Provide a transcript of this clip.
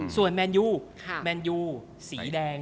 ส่วนแมนยูสีแดง